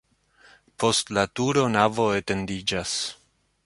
Post la turo navo etendiĝas.